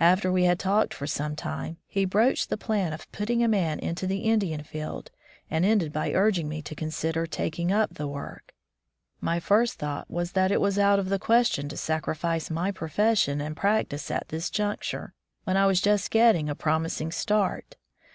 After we had talked for some time, he broached the plan of putting 189 From the Deep Woods to Civilization a man into the Indian jSeld, and ended by urging me to consider taking up the work. My first thought was that it was out of the question to sacrifice my profession and practice at this juncture, when I was just getting a promising start.